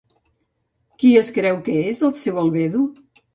Quin es creu que és el seu albedo?